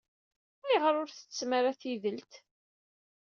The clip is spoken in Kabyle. Ayɣeṛ ur tsettttem ara tidelt?